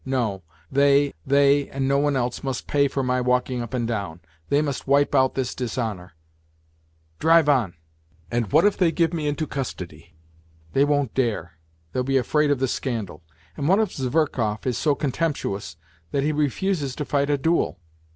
No, they, they and no one else must pay for my walking up and down ! They must wipe out this dishonour 1 Drive on ! And what if they give me into custody ? They won't dare ! They'll be afraid of the scandal. And what if Zverkov is so contemptuous that he refuses to fight a duel